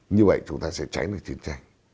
như vậy chúng ta sẽ tránh được chiến tranh